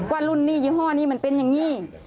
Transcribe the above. ว่ารุ่นหนี้ยี่ห้อนี้มันเป็นอย่างนี้